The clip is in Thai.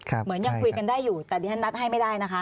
เหมือนยังคุยกันได้อยู่แต่ดิฉันนัดให้ไม่ได้นะคะ